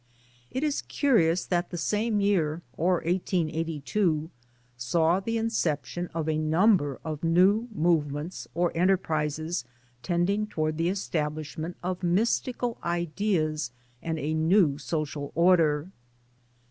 It is curious that the same year (or 1882) saw the inception of a number of new movements or enterprises tending towards the establishment of mystical ideas and a new social order.